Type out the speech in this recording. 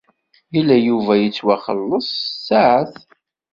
Yella Yuba yettwaxellaṣ s tsaɛet.